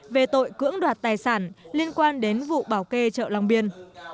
về tội cưỡng đoạt tài sản liên quan đến vụ bảo kê chợ long biên